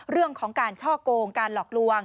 เรื่องของการช่อกงการหลอกลวง